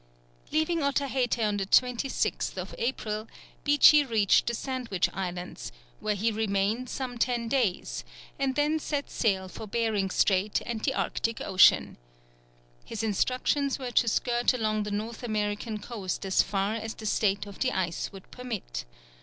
Leaving Otaheite on the 26th April, Beechey reached the Sandwich Islands, where he remained some ten days, and then set sail for Behring Strait and the Arctic Ocean. His instructions were to skirt along the North American coast as far as the state of the ice would permit.